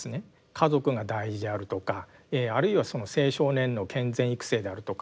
家族が大事であるとかあるいは青少年の健全育成であるとか